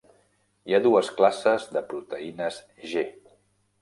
Hi ha dues classes de proteïnes G.